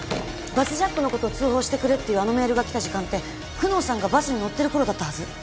バスジャックのことを通報してくれっていうあのメールが来た時間って久能さんがバスに乗ってるころだったはず。